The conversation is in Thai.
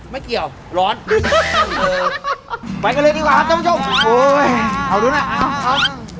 ไม่เกี่ยวร้อนไปกันเลยดีกว่าครับท่านผู้ชมโอ้ยเอาดูนะเอาครับ